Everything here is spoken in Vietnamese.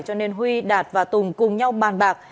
cho nên huy đạt và tùng cùng nhau bàn bạc